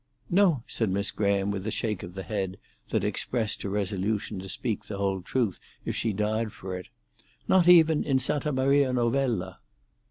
"No," said Miss Graham, with a shake of the head that expressed her resolution to speak the whole truth if she died for it, "not even in Santa Maria Novella."